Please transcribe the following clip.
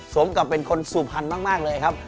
สวมกับเป็นคนสูบพันธ์มากเลยครับ